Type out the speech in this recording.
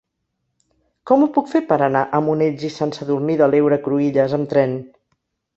Com ho puc fer per anar a Monells i Sant Sadurní de l'Heura Cruïlles amb tren?